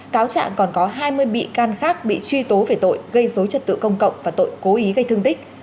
cáo trạng còn có hai mươi bị can khác bị truy tố về tội gây dối trật tự công cộng và tội cố ý gây thương tích